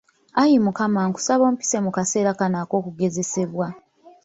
Ayi Mukama nkusaba ompise mu kaseera kano ak'okugezesebwa.